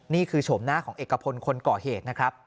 โฉมหน้าของเอกพลคนก่อเหตุนะครับ